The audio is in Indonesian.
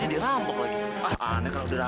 ini zahirah papa papa bangun dong pa